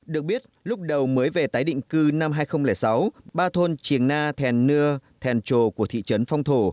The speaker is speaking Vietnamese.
được biết lúc đầu mới về tái định cư năm hai nghìn sáu ba thôn triềng na thèn nưa thèn trồ của thị trấn phong thổ